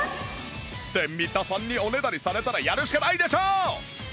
って三田さんにおねだりされたらやるしかないでしょう！